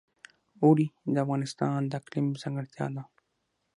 اوړي د افغانستان د اقلیم ځانګړتیا ده.